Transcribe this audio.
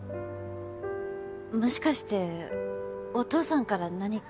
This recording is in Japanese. もしかしてお父さんから何か。